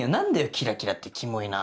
キラキラってキモいなぁ。